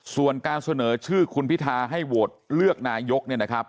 ส่วนการเสนอชื่อคุณพิทาให้โหวตเลือกนายกเนี่ยนะครับ